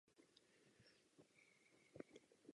Vyskytuje se ve slaných i sladkých vodách.